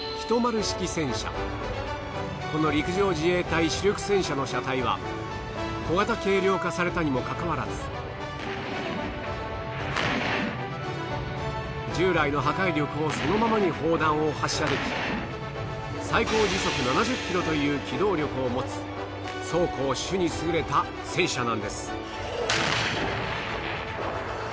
この陸上自衛隊主力戦車の車体は小型軽量化されたにもかかわらず従来の破壊力をそのままに砲弾を発射でき最高時速７０ｋｍという機動力を持つ走・攻・守に優れた戦車なんです。